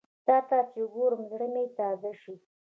تاته چې ګورم، زړه مې تازه شي